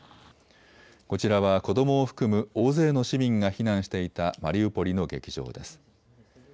こちらは子どもを含む大勢の市民が避難していたマリウポリの劇場です。